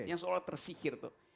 yang seolah tersihir tuh